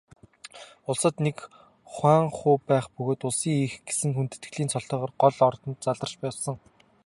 Улсад нэг хуанху байх бөгөөд Улсын эх гэсэн хүндэтгэлийн цолтойгоор гол ордонд заларч асан.